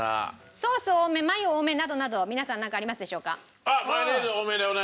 ソース多めマヨ多めなどなど皆さんなんかありますでしょうか？